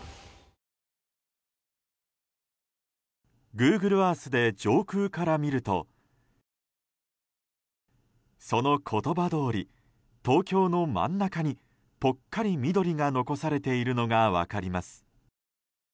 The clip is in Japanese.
グーグルアースで上空から見るとその言葉どおり、東京の真ん中にぽっかり緑が残されているのが分かります。